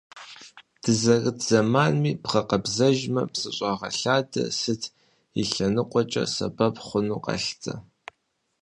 Дызэрыт зэманми бгъэкъэбзэжмэ, псыщӏэгъэлъадэ сыт и лъэныкъуэкӏэ сэбэп хъуну къалъытэ.